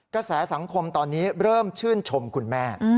กระแสสังคมตอนนี้เริ่มชื่นชมคุณแม่